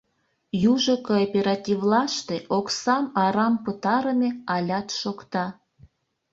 Южо кооперативлаште оксам арам пытарыме алят шокта.